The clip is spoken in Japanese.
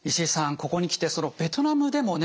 ここに来てベトナムでもね